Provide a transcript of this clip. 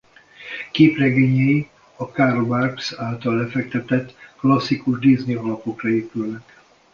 Képregényei a Carl Barks által lefektetett klasszikus Disney alapokra épülnek.